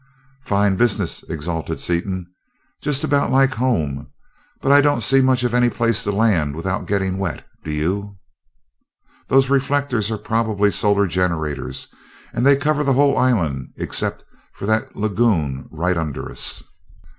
"Fine business!" exulted Seaton. "Just about like home, but I don't see much of any place to land without getting wet, do you? Those reflectors are probably solar generators, and they cover the whole island except for that lagoon right under us."